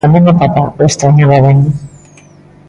Tamén o papá o estrañaba ben.